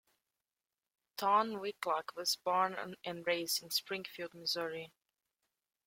Tom Whitlock was born and raised in Springfield, Missouri.